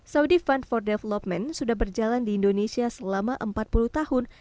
saudi fund for development sudah berjalan di indonesia selama empat puluh tahun